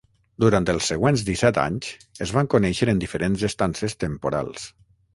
Durant els següents disset anys es van conèixer en diferents estances temporals.